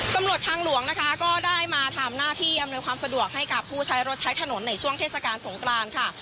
ตำรวจทางหลวงนะคะก็ได้มาทำหน้าที่อำนวยความสะดวกให้กับผู้ใช้รถใช้ถนนในช่วงเทศกาลสงกรานค่ะ